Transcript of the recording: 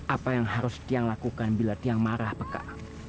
apa yang harus tiang lakukan bila tiang marah peka